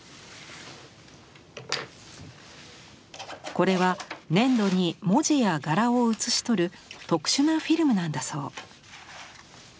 これは粘土に文字や柄を写し取る特殊なフィルムなんだそう。